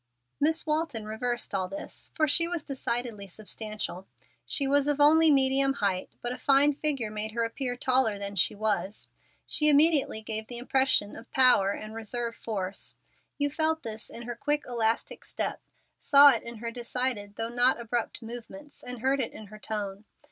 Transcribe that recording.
Miss Walton reversed all this, for she was decidedly substantial. She was of only medium height, but a fine figure made her appear taller than she was. She immediately gave the impression of power and reserve force. You felt this in her quick, elastic step, saw it in her decided though not abrupt movements, and heard it in her tone.